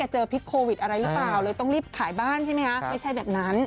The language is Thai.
เจอพิษโควิดอะไรหรือเปล่าเลยต้องรีบขายบ้านใช่ไหมคะ